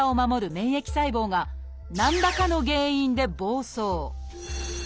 免疫細胞が何らかの原因で暴走。